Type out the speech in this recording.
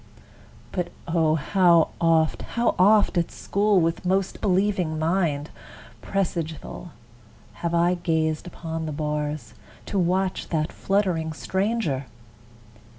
But O! how oft, How oft, at school, with most believing mind, Presageful, have I gazed upon the bars, To watch that fluttering stranger!